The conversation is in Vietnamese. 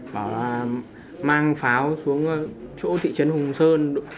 bảo là mang pháo xuống chỗ thị trấn hùng sơn